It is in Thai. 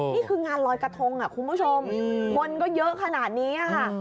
นี่คืองานลอยกระทงคุณผู้ชมคนก็เยอะขนาดนี้ค่ะ